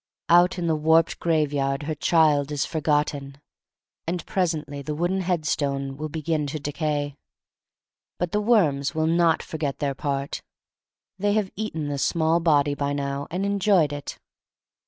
Out in the warped graveyard her child is forgotten. And presently the wooden headstone will begin to decay. But the worms will not forgpt their part. They have eaten the small body by now, and enjoyed it.